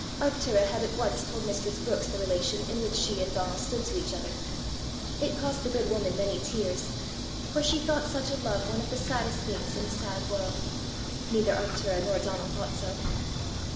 Arctura had at once told mistress Brookes the relation in which she and Donal stood to each other. It cost the good woman many tears, for she thought such a love one of the saddest things in a sad world. Neither Arctura nor Donal thought so.